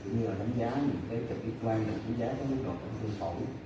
và đánh giá những cái trực tiếp của anh đánh giá những cái mức độ phương phẫu